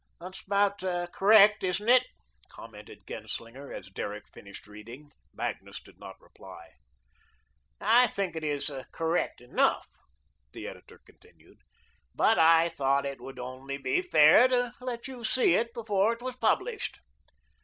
"That's about correct, isn't it?" commented Genslinger, as Derrick finished reading. Magnus did not reply. "I think it is correct enough," the editor continued. "But I thought it would only be fair to you to let you see it before it was published."